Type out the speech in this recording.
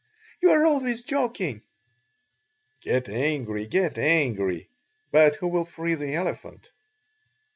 "You are always joking." "Get angry, get angry, but who will free the elephant?"